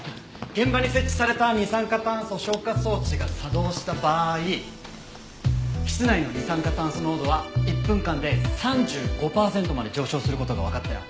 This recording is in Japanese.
現場に設置された二酸化炭素消火装置が作動した場合室内の二酸化炭素濃度は１分間で３５パーセントまで上昇する事がわかったよ。